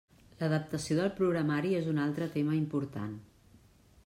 L'adaptació del programari és un altre tema important.